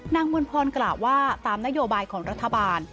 มวลพรกล่าวว่าตามนโยบายของรัฐบาล